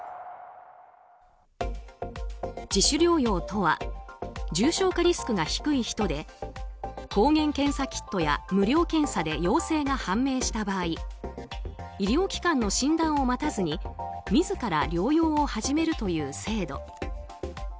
自主療養とは重症化リスクが低い人で抗原検査キットや無料検査で陽性が判明した場合医療機関の診断を待たずに自ら療養を始めるという制度。